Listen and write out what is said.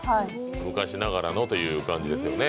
昔ながらのという感じですよね。